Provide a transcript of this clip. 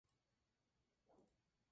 Simmons siguió con su papel original.